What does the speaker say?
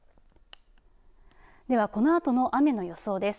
では、このあとの雨の予想です。